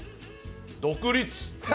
独立。